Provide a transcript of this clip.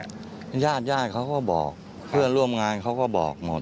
ญาติญาติเขาก็บอกเพื่อนร่วมงานเขาก็บอกหมด